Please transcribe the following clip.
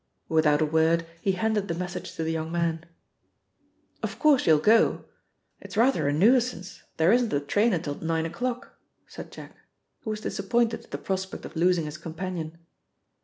Without a word he handed the message to the young man. "Of course you'll go. It's rather a nuisance; there isn't a train until nine o'clock," said Jack, who was disappointed at the prospect of losing his companion.